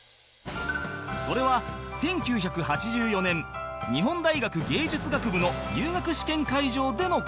それは１９８４年日本大学芸術学部の入学試験会場での事